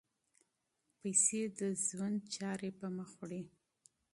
پیسې د ژوند چارې پر مخ وړي.